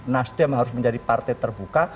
nasdem harus menjadi partai terbuka